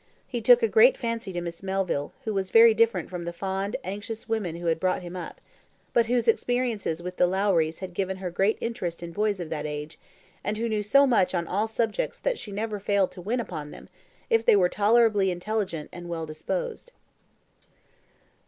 He took a great fancy to Miss Melville, who was very different from the fond anxious women who had brought him up, but whose experiences with the Lowries had given her great interest in boys of that age, and who knew so much on all subjects that she never failed to win upon them, if they were tolerably intelligent and well disposed.